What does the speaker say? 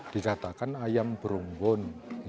dikatakan ayam berumbun